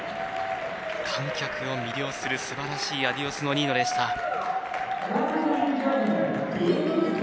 観客を魅了する、すばらしい「アディオス・ノニーノ」でした。